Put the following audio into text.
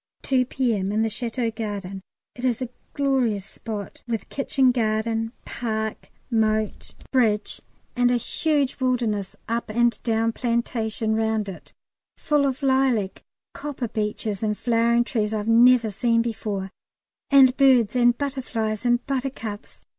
2 P.M. In the Château garden. It is a glorious spot, with kitchen garden, park, moat bridge, and a huge wilderness up and down plantation round it, full of lilac, copper beeches, and flowering trees I've never seen before, and birds and butterflies and buttercups.